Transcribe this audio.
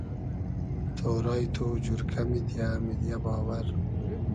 تۉرایی تو جورکۂ میدیۂ میدیۂ باوئر